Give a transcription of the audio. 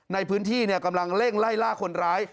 ในพื้นที่กำลังเร่งไล่ล่าคนร้าย